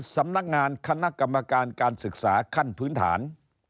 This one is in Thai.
สำนักงานคณะกรรมการการศึกษาขั้นพื้นฐาน